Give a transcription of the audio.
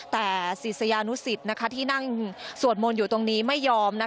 แต่ศิษยานุสิตที่นั่งสวดมนต์อยู่ตรงนี้ไม่ยอม